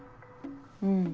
うん。